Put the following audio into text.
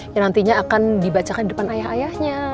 yang nantinya akan dibacakan di depan ayah ayahnya